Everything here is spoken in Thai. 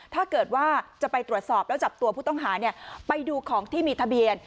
ถ้าเกิดว่าจะไปตรวจสอบแล้วจับตัวผู้ต้องหาไปดูของที่มีทะเบียน